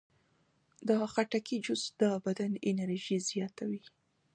د خټکي جوس د بدن انرژي زیاتوي.